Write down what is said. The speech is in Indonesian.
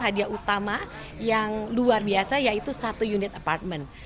hadiah utama yang luar biasa yaitu satu unit apartemen